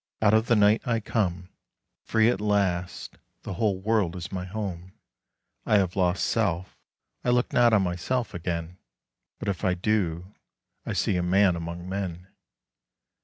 out of the Night I come: Free at last: the whole world is my home: I have lost self: I look not on myself again, But if I do I see a man among men.